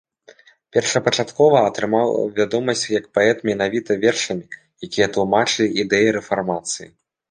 Першапачаткова атрымаў вядомасць як паэт менавіта вершамі, якія тлумачылі ідэі рэфармацыі.